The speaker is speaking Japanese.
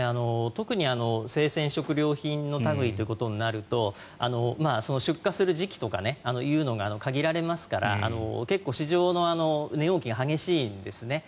特に生鮮食料品の類となると出荷する時期というのが限られますから結構、市場の値動きが激しいんですね。